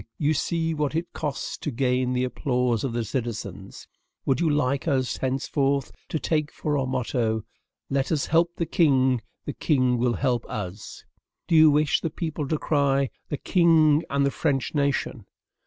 you see what it costs to gain the applause of the citizens. Would you like us henceforth to take for our motto: 'Let us help the King, the King will help us'? Do you wish the people to cry: 'THE KING AND THE FRENCH NATION'?